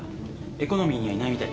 エコノミーにはいないみたいです。